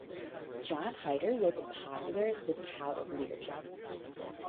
John Heider wrote the popular The Tao of Leadership.